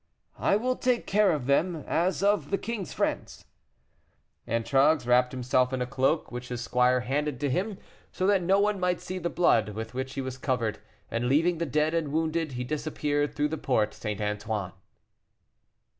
"I will take care of them, as of the king's friends." Antragues wrapped himself in a cloak which his squire handed to him, so that no one might see the blood with which he was covered, and, leaving the dead and wounded, he disappeared through the Porte St. Antoine.